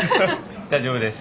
大丈夫です。